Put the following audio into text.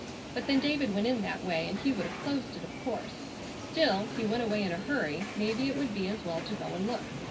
But then David went in that way, and he would have closed it, of course. Still, he went away in a hurry, maybe it would be as well to go and look.